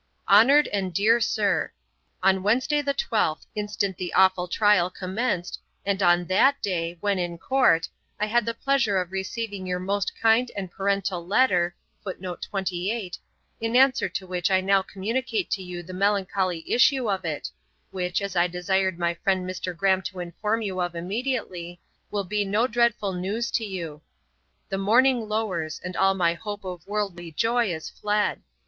'HONOURED AND DEAR SIR, On Wednesday the 12th instant the awful trial commenced, and on that day, when in Court, I had the pleasure of receiving your most kind and parental letter, in answer to which I now communicate to you the melancholy issue of it, which, as I desired my friend Mr. Graham to inform you of immediately, will be no dreadful news to you. The morning lowers, and all my hope of worldly joy is fled.